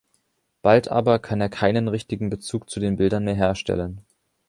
Bald aber kann er keinen richtigen Bezug zu den Bildern mehr herstellen.